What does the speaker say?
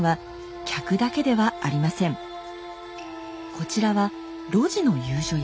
こちらは路地の遊女屋。